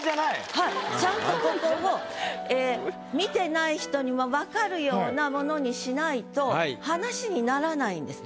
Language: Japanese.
はいちゃんとここを見てない人にも分かるようなものにしないと話にならないんです。